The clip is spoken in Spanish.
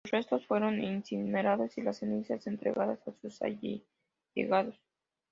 Sus restos fueron incinerados, y las cenizas entregadas a sus allegados.